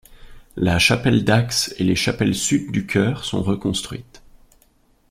La chapelle d'axe et les chapelles Sud du chœur sont reconstruites.